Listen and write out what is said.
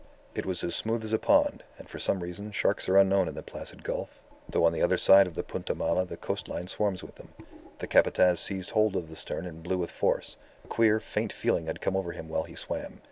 It was as smooth as a pond, and for some reason sharks are unknown in the Placid Gulf, though on the other side of the Punta Mala the coastline swarms with them. The Capataz seized hold of the stern and blew with force. A queer, faint feeling had come over him while he swam.